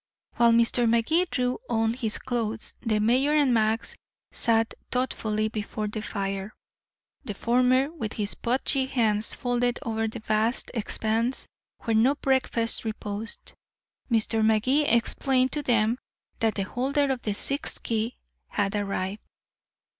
While Mr. Magee drew on his clothes, the mayor and Max sat thoughtfully before the fire, the former with his pudgy hands folded over the vast expanse where no breakfast reposed. Mr. Magee explained to them that the holder of the sixth key had arrived.